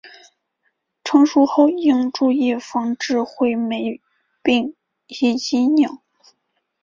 成熟后应注意防治灰霉病以及鸟。